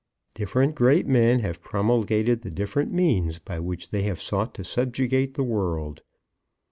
Different great men have promulgated the different means by which they have sought to subjugate the world.